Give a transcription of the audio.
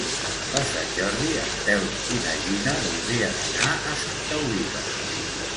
Per Sant Jordi en Telm i na Gina voldrien anar a Santa Oliva.